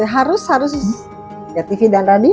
harus harus tv dan radio